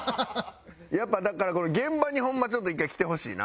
やっぱだから現場にホンマちょっと１回来てほしいな。